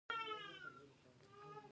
زال او رودابه کیسه دلته شوې